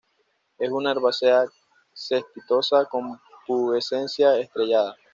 Es una herbácea cespitosa con pubescencia estrellada.